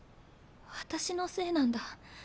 私のせいなんだ。